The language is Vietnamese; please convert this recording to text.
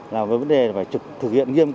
là với vấn đề phải thực hiện nghiêm túc